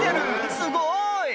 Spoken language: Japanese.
すごい！